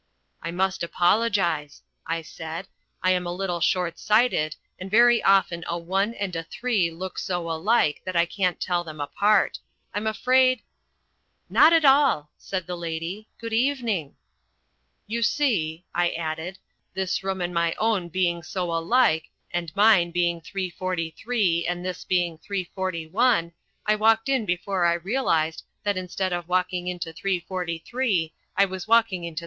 "I must apologise," I said. "I am a little short sighted, and very often a one and a three look so alike that I can't tell them apart. I'm afraid " "Not at all," said the lady. "Good evening." "You see," I added, "this room and my own being so alike, and mine being 343 and this being 341, I walked in before I realised that instead of walking into 343 I was walking into 341."